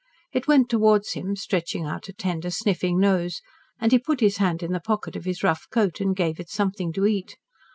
It went towards him, stretching out a tender sniffing nose, and he put his hand in the pocket of his rough coat and gave it something to eat.